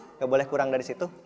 tidak boleh kurang dari situ